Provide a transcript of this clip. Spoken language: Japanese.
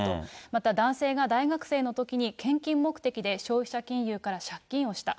また男性が大学生のときに、献金目的で消費者金融から借金をした。